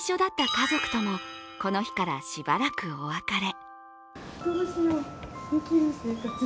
家族ともこの日からしばらくお別れ。